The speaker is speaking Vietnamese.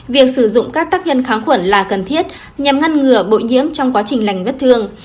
việc sử dụng các tác nhân kháng khuẩn là cần thiết nhằm ngăn ngừa bội nhiễm trong quá trình lành vết thương